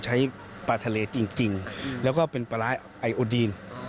ใช้ปลาทะเลจริงแล้วก็เป็นปลาร้าไอโอดีน